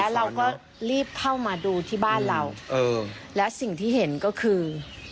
เราก็รีบเข้ามาดูที่บ้านเราและสิ่งที่เห็นก็คือ